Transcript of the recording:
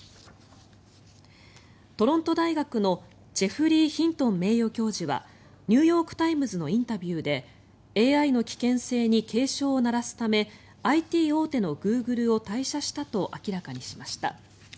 トロント大学のジェフリー・ヒントン名誉教授はニューヨーク・タイムズのインタビューでＡＩの危険性に警鐘を鳴らすためＩＴ大手のグーグルを退社したと明らかにしました。